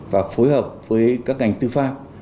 và phối hợp với các ngành tư pháp